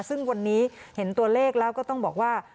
ซึ่งวันนี้เห็นตัวเลขแล้วก็ต้องบอกว่า